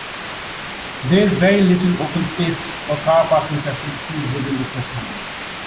There is very little open space or car parking facilities within the settlement.